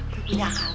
gue punya akal